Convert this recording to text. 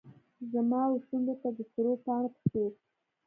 زما وشونډو ته د سرو پاڼو په څیر